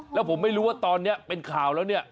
แล้วผมไม่รู้ว่าตอนนี้เป็นข่าวแล้วเนี่ย